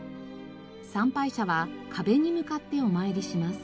参拝者は壁に向かってお参りします。